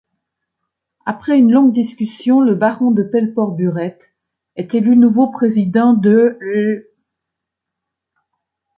Après une longue discussion, le baron de Pelleport-Burète est élu nouveau président de l’.